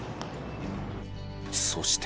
そして。